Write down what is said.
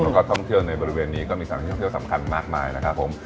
แล้วก็ท่องเที่ยวในบริเวณนี้ก็มีสถานที่ท่องเที่ยวสำคัญมากมายนะครับผม